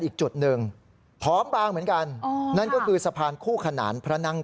อีกจุดหนึ่งผอมบางเหมือนกันนั่นก็คือสะพานคู่ขนานพระนั่ง